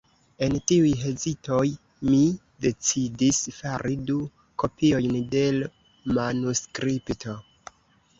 En tiuj hezitoj, mi decidis fari du kopiojn de l' manuskripto.